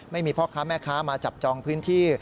ไม่มีพ่อค้าแม่ค้ามาจับจองพื้นที่